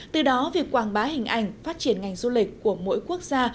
từ đó việc quảng bá hình ảnh phát triển ngành du lịch của mỗi quốc gia